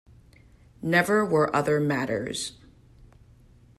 Never were other matters.